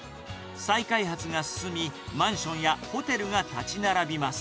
再開発が進み、マンションやホテルが建ち並びます。